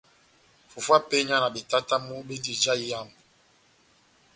Fufu ya penya na betatamu bendi ija iyamu.